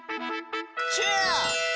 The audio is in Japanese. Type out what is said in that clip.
チェア！